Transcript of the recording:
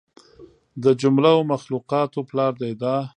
د جمله و مخلوقاتو پلار دى دا.